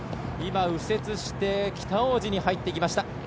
右折して、北大路に入っていきました。